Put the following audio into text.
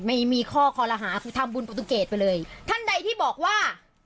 ไม่มีข้อคอลหาคือทำบุญประตูเกตไปเลยท่านใดที่บอกว่า